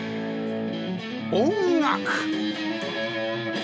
音楽